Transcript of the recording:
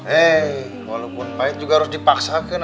eh walaupun pahit juga harus dipaksakan